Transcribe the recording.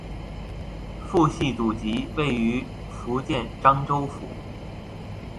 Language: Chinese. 父系祖籍位于福建漳州府。